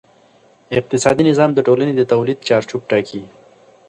اقتصادي نظام د ټولنې د تولید چارچوب ټاکي.